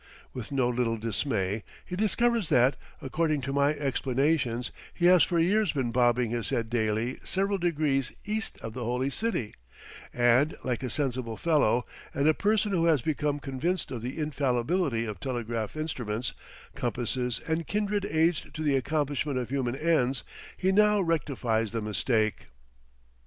With no little dismay he discovers that, according to my explanations, he has for years been bobbing his head daily several degrees east of the holy city, and, like a sensible fellow, and a person who has become convinced of the infallibility of telegraph instruments, compasses, and kindred aids to the accomplishment of human ends, he now rectifies the mistake.